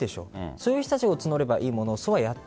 そういう人たちを募ればいいのに